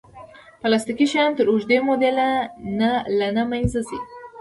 پلاستيکي شیان تر اوږدې مودې نه له منځه ځي.